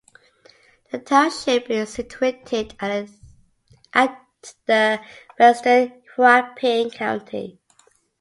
The township is situated at the western Huaping County.